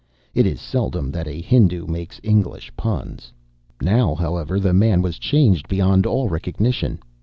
It is seldom that a Hindu makes English puns. Now, however, the man was changed beyond all recognition.